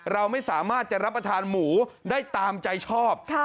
เราไม่สามารถจะรับประทานหมูได้ตามใจชอบ